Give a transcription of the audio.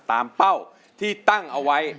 เป้าที่ตั้งเอาไว้